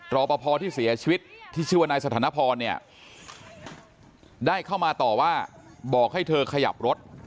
รอปภที่เสียชีวิตที่ชื่อว่านายสถานพรเนี่ยได้เข้ามาต่อว่าบอกให้เธอขยับรถ